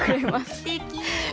すてき！